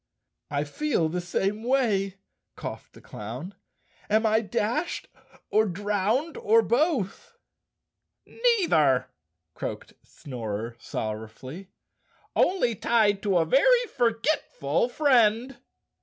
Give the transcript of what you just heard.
"I feel the same way," coughed the clown. "Am I dashed or drowned or both?" 193 The Cowardly Lion of Oz "Neither," croaked Snorer sorrowfully. "Only tied to a very forgetful friend."